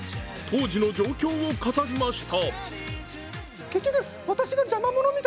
当時の状況を語りました。